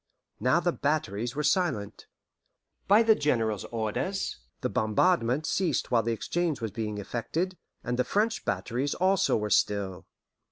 Now the batteries were silent. By the General's orders, the bombardment ceased while the exchange was being effected, and the French batteries also were still.